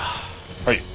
はい。